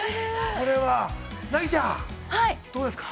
◆これは、ナギちゃんどうですか。